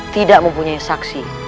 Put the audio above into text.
tidak mempunyai saksi